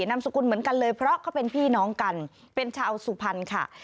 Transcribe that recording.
นามสกุลเหมือนกันเลยเพราะเขาเป็นพี่น้องกันเป็นชาวสุพรรณค่ะ